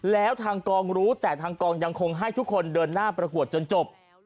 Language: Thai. แล้วทางกองรู้แต่ทางกองยังคงให้ทุกคนเดินหน้าประกวดจนจบ